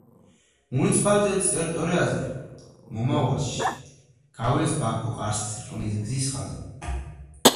მუნიციპალიტეტის ტერიტორიაზე მომავალში გაივლის ბაქო–ყარსის რკინიგზის ხაზი.